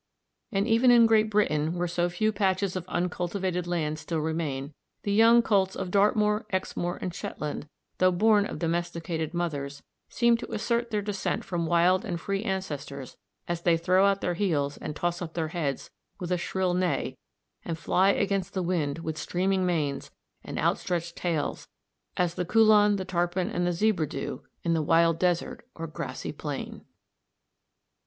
And even in Great Britain, where so few patches of uncultivated land still remain, the young colts of Dartmoor, Exmoor, and Shetland, though born of domesticated mothers, seem to assert their descent from wild and free ancestors as they throw out their heels and toss up their heads with a shrill neigh, and fly against the wind with streaming manes and outstretched tails as the Kulan, the Tarpan, and the Zebra do in the wild desert or grassy plain.